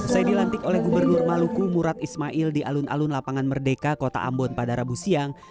usai dilantik oleh gubernur maluku murad ismail di alun alun lapangan merdeka kota ambon pada rabu siang